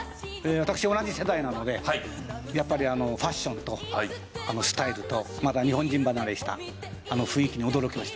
私同じ世代なのでやっぱりあのファッションとあのスタイルとまた日本人離れしたあの雰囲気に驚きましたね。